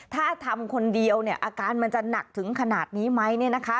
ถ้าทำคนเดียวเนี่ยอาการมันจะหนักถึงขนาดนี้ไหม